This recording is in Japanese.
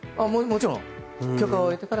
もちろん。